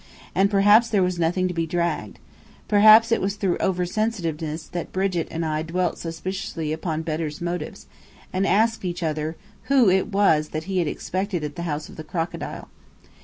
And perhaps there was nothing to be dragged. Perhaps it was through oversensitiveness that Brigit and I dwelt suspiciously upon Bedr's motives, and asked each other who it was he had expected at the House of the Crocodile.